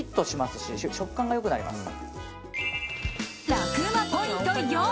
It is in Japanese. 楽ウマポイント